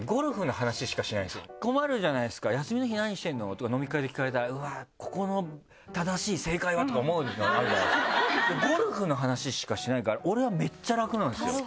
困るじゃないですか「休みの日何してるの？」とか飲み会で聞かれたら。とか思うのあるじゃないですかゴルフの話しかしないから俺はめっちゃ楽なんですよ。